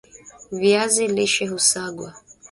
viazi lishe husagwa